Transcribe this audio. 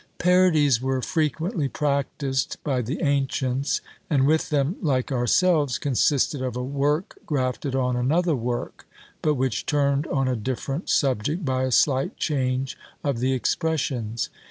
Parodies were frequently practised by the ancients, and with them, like ourselves, consisted of a work grafted on another work, but which turned on a different subject by a slight change of the expressions.